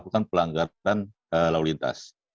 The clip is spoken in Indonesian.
dan perudahan lalu lintas